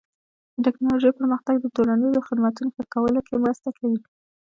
د ټکنالوژۍ پرمختګ د ټولنیزو خدمتونو ښه کولو کې مرسته کوي.